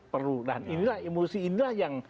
perlu dan inilah emosi inilah yang